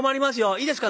いいですか？